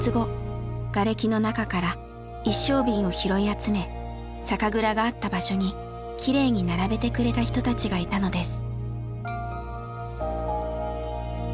ガレキの中から一升瓶を拾い集め酒蔵があった場所にきれいに並べてくれた人たちがいたのです。